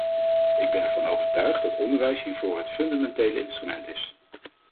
Ik ben ervan overtuigd dat onderwijs hiervoor het fundamentele instrument is.